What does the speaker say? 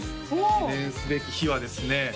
記念すべき日はですね